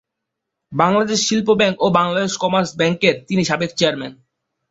Bangladesh Shilpa bank ও Bangladesh commerce ব্যাংকের তিনি সাবেক চেয়ারম্যান।